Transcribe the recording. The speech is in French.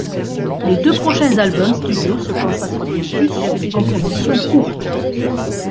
Les deux prochains albums studio se consacrent bien plus sur des compositions courtes.